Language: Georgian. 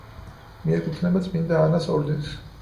მიეკუთვნება წმინდა ანას ორდენს.